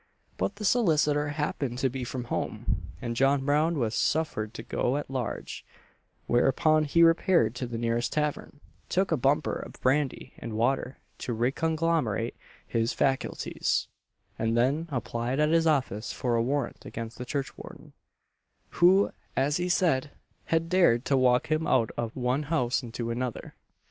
But the solicitor happened to be from home, and John Brown was suffered to go at large; whereupon he repaired to the nearest tavern, took a bumper of brandy and water to reconglomerate his faculties, and then applied at this office for a warrant against the churchwarden, who, as he said, had dared to walk him out of one house into another.